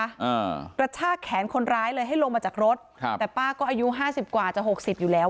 อ่ากระชากแขนคนร้ายเลยให้ลงมาจากรถครับแต่ป้าก็อายุห้าสิบกว่าจะหกสิบอยู่แล้ว